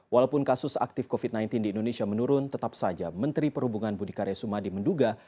walaupun kasus aktif covid sembilan belas di indonesia menurun tetap saja menteri perhubungan budi karya sumadi menduga